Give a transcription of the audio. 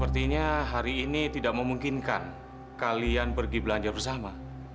artinya hari ini tidak memungkinkan kalian pergi belanja bersama